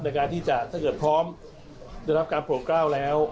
ในการที่จะถ้าเกิดพร้อมได้รับการโปร่งกล้าวแล้ว